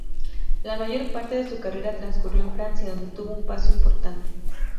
La mayor parte de su carrera transcurrió en Francia, donde tuvo un paso importante.